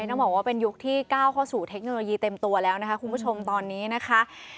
ต้องบอกว่าเป็นยุคที่ก้าวเข้าสู่เทคโนโลยีเต็มตัวแล้วนะคะคุณผู้ชมตอนนี้นะคะ